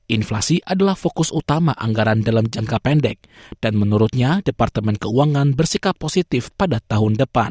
inflasi adalah fokus utama anggaran dalam jangka pendek dan menurutnya departemen keuangan bersikap positif pada tahun depan